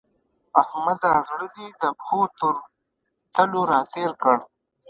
احمده! زړه دې د پښو تر تلو راتېر کړ.